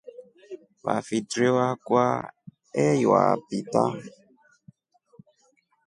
Vafitrio akwa eywa peter.